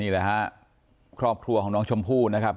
นี่แหละฮะครอบครัวของน้องชมพู่นะครับ